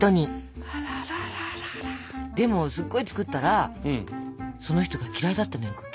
でもすっごい作ったらその人が嫌いだったのよ